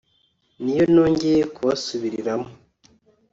niyo nongeye kubasubiriramo